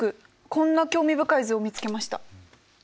こんな興味深い図を見つけました。